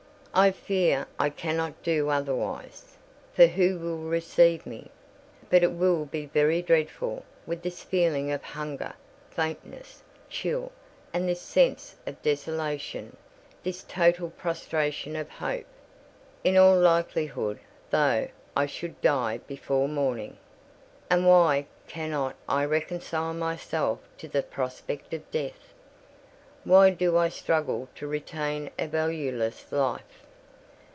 I fear I cannot do otherwise: for who will receive me? But it will be very dreadful, with this feeling of hunger, faintness, chill, and this sense of desolation—this total prostration of hope. In all likelihood, though, I should die before morning. And why cannot I reconcile myself to the prospect of death? Why do I struggle to retain a valueless life?